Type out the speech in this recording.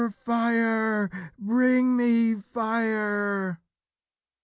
FIRE! BRING ME FIRE!